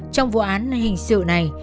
trong vụ án hình sự này